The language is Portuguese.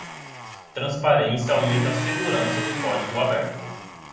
Transparência aumenta a segurança do código aberto.